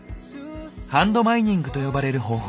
「ハンドマイニング」と呼ばれる方法。